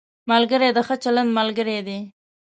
ملګری د ښه چلند ملګری دی